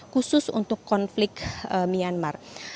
khusus untuk konflik myanmar